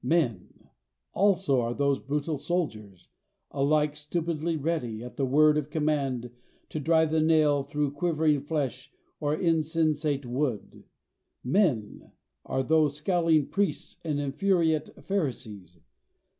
Men also are those brutal soldiers, alike stupidly ready, at the word of command, to drive the nail through quivering flesh or insensate wood. Men are those scowling priests and infuriate Pharisees.